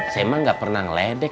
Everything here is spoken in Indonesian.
saya emang gak pernah ngeledek